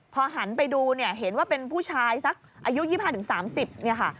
พอหันไปดูเห็นว่าเป็นผู้ชายสักอายุ๒๕๓๐ค่ะ